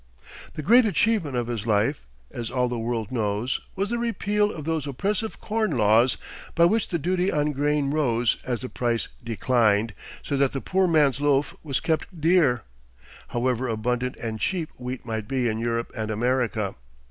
The great achievement of his life, as all the world knows, was the repeal of those oppressive Corn Laws by which the duty on grain rose as the price declined, so that the poor man's loaf was kept dear, however abundant and cheap wheat might be in Europe and America.